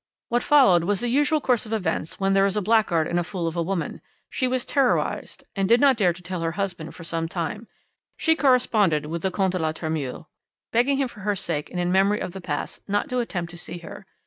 "What followed was the usual course of events when there is a blackguard and a fool of a woman. She was terrorised and did not dare to tell her husband for some time; she corresponded with the Comte de la Tremouille, begging him for her sake and in memory of the past not to attempt to see her.